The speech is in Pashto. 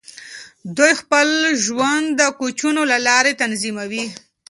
دوی خپل ژوند د کوچونو له لارې تنظیموي.